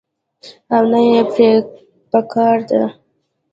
او نۀ پرې پکار ده -